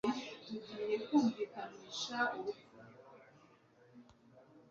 Ntabwo bishoboka ko hacker ashobora kwinjira kurubuga rwacu